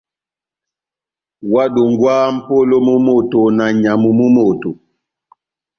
Óhádongwaha mʼpolo mú moto na nyamu mú moto.